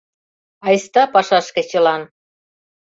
Айста пашашке чылан